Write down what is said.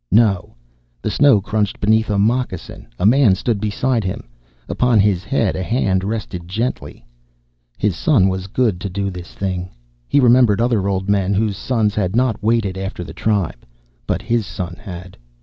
No. The snow crunched beneath a moccasin; a man stood beside him; upon his head a hand rested gently. His son was good to do this thing. He remembered other old men whose sons had not waited after the tribe. But his son had.